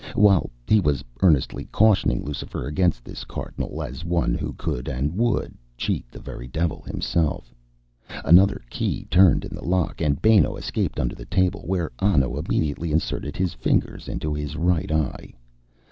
While he was earnestly cautioning Lucifer against this Cardinal as one who could and would cheat the very Devil himself, another key turned in the lock, and Benno escaped under the table, where Anno immediately inserted his fingers into his right eye.